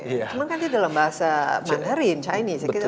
emang kan itu dalam bahasa mandarin chinese